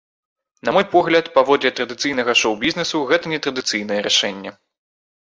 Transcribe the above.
На мой погляд, паводле традыцыйнага шоу-бізнесу, гэта нетрадыцыйнае рашэнне.